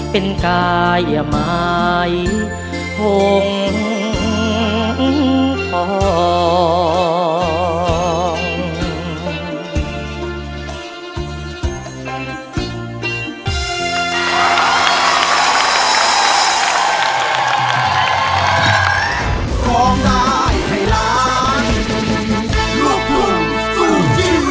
เป็นกายใหม่ห่วงท้อง